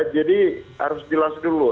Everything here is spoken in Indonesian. jadi harus jelas dulu